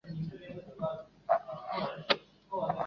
夜间是站员无配置。